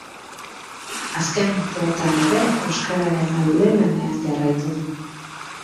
Azken urteotan ere euskararen alde lanean jarraitu du.